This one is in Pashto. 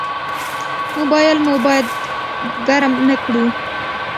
موبایل مو باید ګرم نه کړو.